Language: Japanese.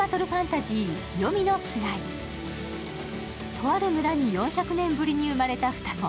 とある村に４００年ぶりに生まれた双子。